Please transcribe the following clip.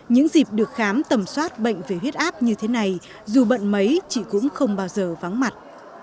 những dịp được khám tầm soát bệnh về huyết áp như thế này dù bận mấy chị cũng không bao giờ vắng mặt